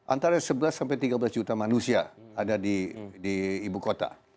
antara sebelas sampai tiga belas juta manusia ada di ibu kota